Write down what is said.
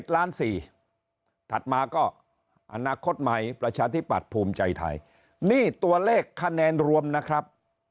ถัดมาก็อนาคตใหม่ประชาธิปัตย์ภูมิใจไทยนี่ตัวเลขคะแนนรวมนะครับ